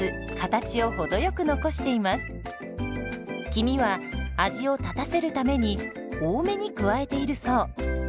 黄身は味を立たせるために多めに加えているそう。